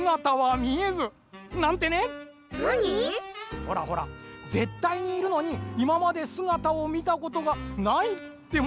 ほらほらぜったいにいるのにいままですがたをみたことがないってものあるでしょう？